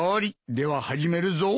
では始めるぞ。